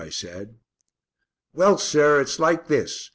I said. "Well, sir, it's like this.